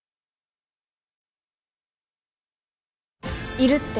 いるって。